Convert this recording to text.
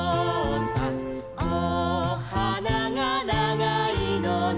おはながながいのね」